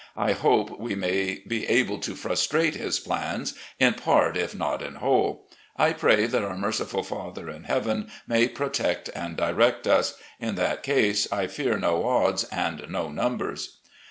I hope we may be able to frustrate his plans, in part, if not in whole. ... I pray that otir merciftil Father in Heaven may protect and direct us ! In that case, I fear no odds and no numbers."